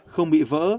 không bị vỡ